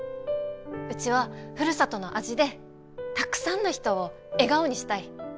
うちはふるさとの味でたくさんの人を笑顔にしたい。